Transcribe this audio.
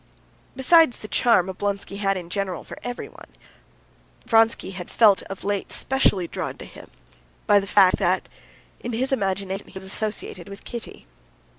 Besides the charm Oblonsky had in general for everyone, Vronsky had felt of late specially drawn to him by the fact that in his imagination he was associated with Kitty.